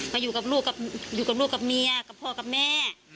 มาอยู่กับลูกกับเมียกับพ่อกับแม่